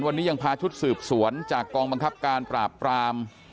วันนี้ยังพาชุดสืบสวนจากกองบังคับการปราบปราม